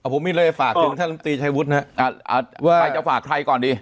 ผมมีเลยฝากถึงท่านลำตีชายวุฒินะครับใครจะฝากใครก่อนดี